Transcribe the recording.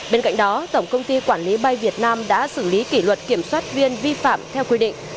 bên cạnh đó tổng công ty quản lý bay việt nam đã xử lý kỷ luật kiểm soát viên vi phạm theo quy định